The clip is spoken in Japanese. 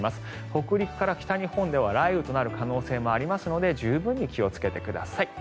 北陸から北日本では雷雨となる可能性もありますので十分に気をつけてください。